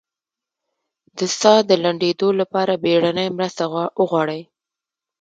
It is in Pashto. د ساه د لنډیدو لپاره بیړنۍ مرسته وغواړئ